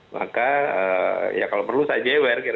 maka ya kalau perlu saya jewer gitu